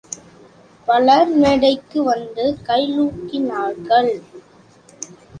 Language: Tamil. பலர் மேடைக்கு வந்து கைழுலுக்கினார்கள்.